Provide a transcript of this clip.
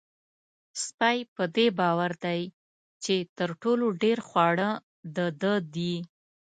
سپی په دې باور دی چې تر ټولو ډېر خواړه د ده دي.